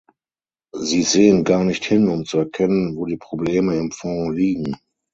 Sie sehen gar nicht hin, um zu erkennen, wo die Probleme im Fonds liegen.